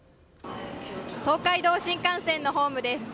東海道新幹線のホームです。